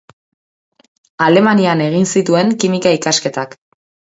Alemanian egin zituen kimika ikasketak.